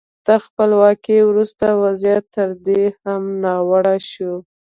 تر خپلواکۍ وروسته وضعیت تر دې هم ناوړه شو.